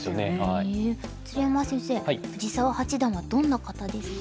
鶴山先生藤澤八段はどんな方ですか？